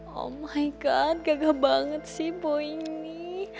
oh my god gagah banget sih boy ini